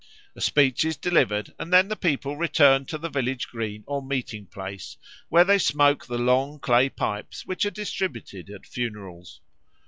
A speech is delivered and then the people return to the village green or meeting place, where they smoke the long clay pipes which are distributed at funerals.